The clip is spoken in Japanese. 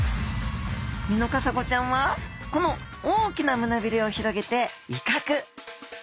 ミノカサゴちゃんはこの大きな胸びれを広げて威嚇。